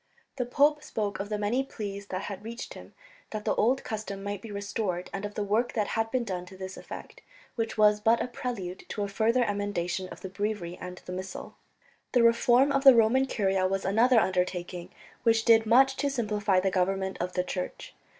The pope spoke of the many pleas that had reached him that the old custom might be restored, and of the work that had been done to this effect, which was but a prelude to a further emendation of the Breviary and the Missal. The reform of the Roman Curia was another undertaking, which did much to simplify the government of the Church.